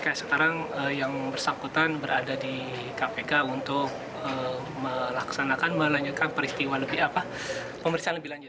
kayak sekarang yang bersangkutan berada di kpk untuk melaksanakan melanjutkan peristiwa pemeriksaan lebih lanjut